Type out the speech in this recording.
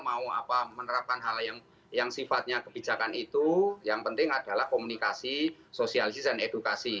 mau menerapkan hal yang sifatnya kebijakan itu yang penting adalah komunikasi sosialisasi dan edukasi